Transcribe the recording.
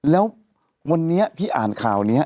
แล้ววันนี้พี่อ่านข่าวนี้